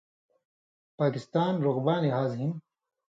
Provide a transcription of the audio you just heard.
پاکستان رقباں لحاظ ہِن